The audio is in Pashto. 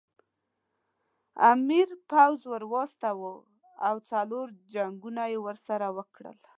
امیر پوځ ور واستاوه او څلور جنګونه یې ورسره وکړل.